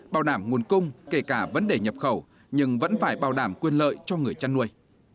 bảo đảm nguồn cung kể cả vấn đề nhập khẩu nhưng vẫn phải bảo đảm quyền lợi cho người chăn nuôi